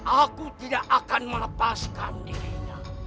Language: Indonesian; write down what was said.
aku tidak akan melepaskan dirinya